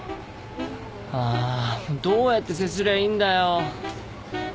あどうやって接すりゃいいんだよ？